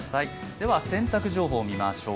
では洗濯情報見ましょう。